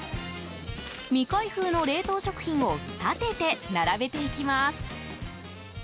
未開封の冷凍食品を立てて並べていきます。